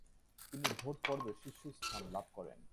তিনি ভোট পর্বে শীর্ষস্থান লাভ করেন।